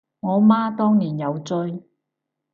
我媽當年有追